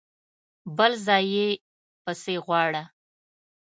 بل ځای يې پسې غواړه!